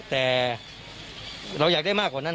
แต่เราอยากได้มากกว่านั้น